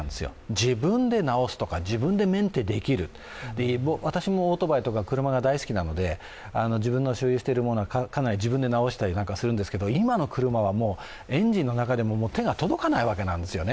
自分で直すとか、自分でメンテできる、私もオートバイとか車が大好きなので、自分の所有しているものは自分で直したりするんですけれども今の車はエンジンの中でも手が届かないわけなんですよね。